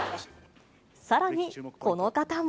さらに、この方も。